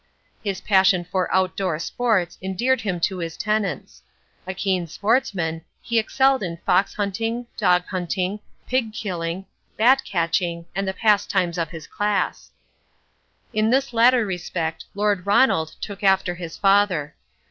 His passion for outdoor sports endeared him to his tenants. A keen sportsman, he excelled in fox hunting, dog hunting, pig killing, bat catching and the pastimes of his class. In this latter respect Lord Ronald took after his father.